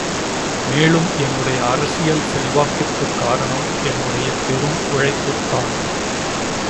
மேலும் என்னுடைய அரசியல் செல்வாக்கிற்குக் காரணம் என்னுடைய பெரும் உழைப்புத்தான்.